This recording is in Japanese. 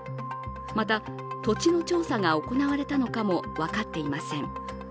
また、土地の調査が行われたのかも分かっていません。